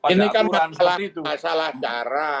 ini kan masalah cara